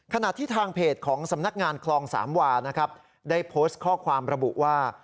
ขณะที่ทางเพจของสำนักงานคลองสามวานะครับได้โพสต์ข้อความระบุว่า